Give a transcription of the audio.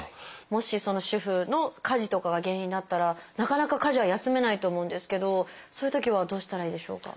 もし主婦の家事とかが原因だったらなかなか家事は休めないと思うんですけどそういうときはどうしたらいいでしょうか？